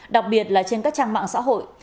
đặc biệt là trên các trang mạng xã hội